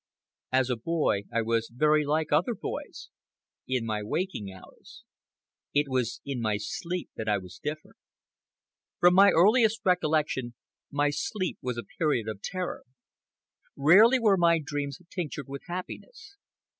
As a boy I was very like other boys—in my waking hours. It was in my sleep that I was different. From my earliest recollection my sleep was a period of terror. Rarely were my dreams tinctured with happiness.